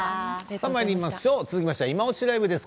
続きまして「いまオシ！ＬＩＶＥ」です。